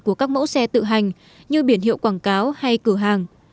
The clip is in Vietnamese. của các mẫu xe tự hành như biển hiệu quảng cáo hay cửa hàng